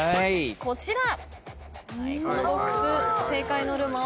こちら。